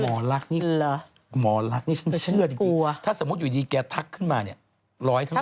หมอลักษณ์นี่หมอลักษณ์นี่ฉันจะเชื่อจริงถ้าสมมุติอยู่ดีแกทักขึ้นมาเนี่ยร้อยทั้งหมด